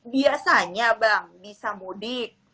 biasanya bang bisa mudik